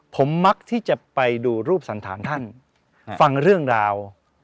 ผมมักที่จะไปดูรูปสันธารท่านฟังเรื่องราว